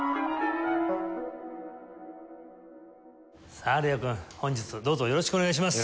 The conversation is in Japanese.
さあＬＥＯくん本日どうぞよろしくお願いします。